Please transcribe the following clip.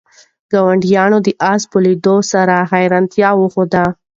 ګاونډیانو د آس په لیدلو سره حیرانتیا وښوده.